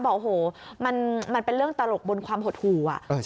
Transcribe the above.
บอกโอ้โหมันเป็นเรื่องตลกบนความหดหู่